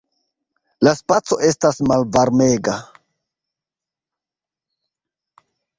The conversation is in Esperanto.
La Spaco estas malvarmega.